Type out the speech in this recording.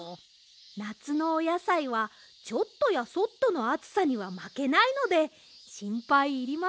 なつのおやさいはちょっとやそっとのあつさにはまけないのでしんぱいいりませんよ。